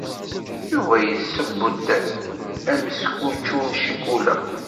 Yuba yesseww-d ameskučču n ccikula.